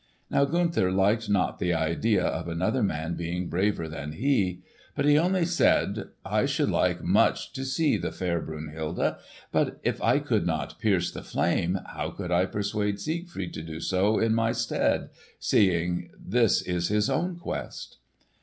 Now Gunther liked not the idea of another man being braver than he. But he only said, "I should like much to see the fair Brunhilde; but if I could not pierce the flame, how could I persuade Siegfried to do so in my stead, seeing this is his own quest?"